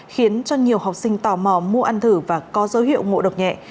khiến cho nhiều học sinh tò mò mua ăn thử và có dấu hiệu ngộ độc nhẹ